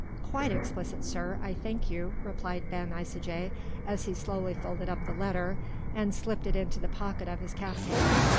"Quite explicit, sir, I thank you," replied Ben Isaje, as he slowly folded up the letter and slipped it into the pocket of his kaftan.